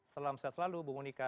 salam sehat selalu bu monika